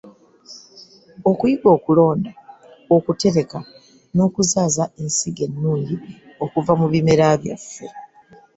Okuyiga okulonda, okutereka n’okuzaaza ensigo ennungi okuva mu bimera byaffe.